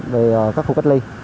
về các khu cách ly